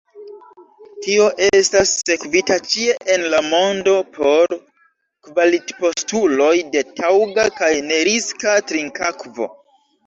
Tio estas sekvita ĉie en la mondo por kvalitpostuloj de taŭga kaj neriska trinkakvo.